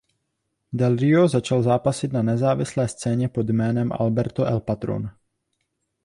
Del Rio začal zápasit na nezávislé scéně pod jménem Alberto El Patron.